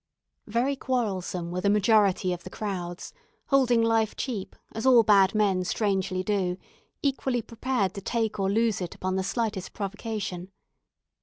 Very quarrelsome were the majority of the crowds, holding life cheap, as all bad men strangely do equally prepared to take or lose it upon the slightest provocation.